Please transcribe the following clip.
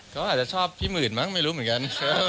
เขาอาจจะชอบพี่หมื่นมั้งไม่รู้เหมือนกัน